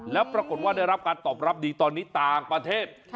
แล้วปรากฏว่าได้รับการตอบรับดีตอนนี้ต่างประเทศ